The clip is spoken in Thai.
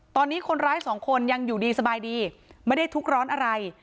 ตอนนี้คนร้ายสองคนยังอยู่ดีสบายดีไม่ได้ทุกข์ร้อนอะไร